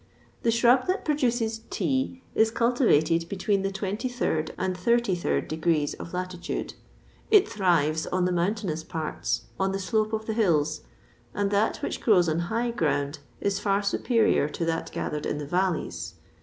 The shrub that produces tea is cultivated between the twenty third and thirty third degrees of latitude; it thrives on the mountainous parts, on the slope of the hills, and that which grows on high ground is far superior to that gathered in the valleys.